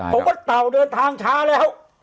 ผมว่าเต่าเดินทางช้าแล้ว